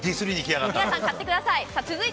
皆さん、買ってください。